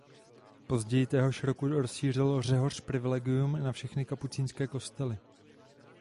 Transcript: Později téhož roku rozšířil Řehoř privilegium i na všechny kapucínské kostely.